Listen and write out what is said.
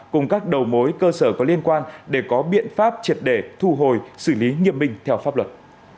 cùng các đầu mối cơ sở có liên quan để có biện pháp triệt để thu hồi xử lý nghiêm minh theo pháp luật